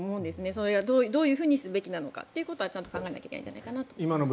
それがどういうふうにすべきなのかというのはちゃんと考えなきゃいけないのかなと思います。